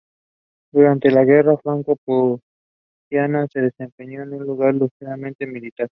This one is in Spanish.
Durante el guerra franco-prusiana se desempeñó como lugarteniente militar.